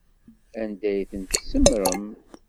Anda ay tent-tsemmṛem?